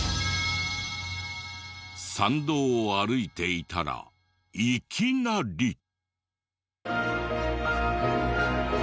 参道を歩いていたらいきなり。